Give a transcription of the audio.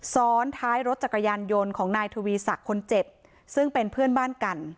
ซ้อนท้ายรถจักรยานยนต์ของนายทวีศักดิ์คนเจ็บซึ่งเป็นเพื่อนบ้านกัน